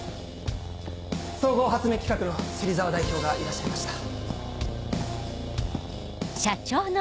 総合発明企画の芹沢代表がいらっしゃいました。